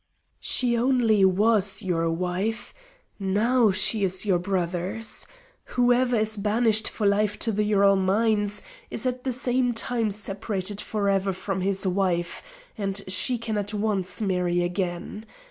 "She only was your wife. Now she is your brother's. Whoever is banished for life to the Ural mines is at the same time separated for ever from his wife, and she can at once marry again.